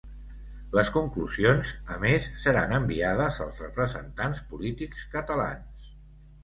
Les conclusions, a més, seran enviades als representants polítics catalans.